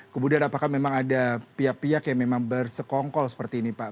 kemudian apakah memang ada pihak pihak yang memang bersekongkol seperti ini pak